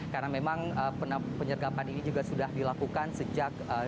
karena memang penyergapan ini juga sudah dilakukan sejak